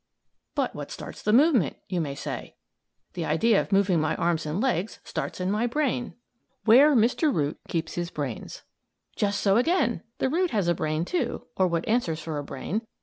"But what starts the movement?" you may say. "The idea of moving my arms and legs starts in my brain." WHERE MR. ROOT KEEPS HIS BRAINS Just so again. The root has a brain, too, or what answers for a brain.